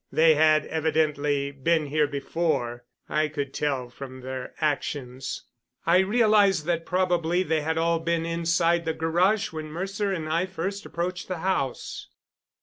They had evidently been here before, I could tell from their actions. I realized that probably they had all been inside the garage when Mercer and I first approached the house.